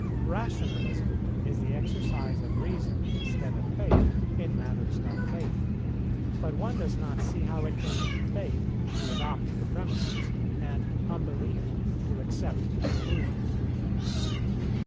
Rationalism is the exercise of reason instead of faith in matters of faith; but one does not see how it can be faith to adopt the premisses, and unbelief to accept the conclusion.